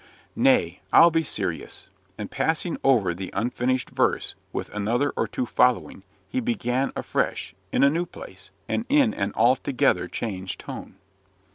"Nay, I'll be serious;" and passing over the unfinished verse, with another or two following, he began afresh, in a new place, and in an altogether changed tone.